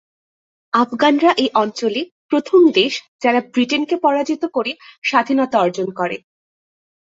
আফগানরা এই অঞ্চলে প্রথম দেশ যারা ব্রিটেনকে পরাজিত করে স্বাধীনতা অর্জন করে।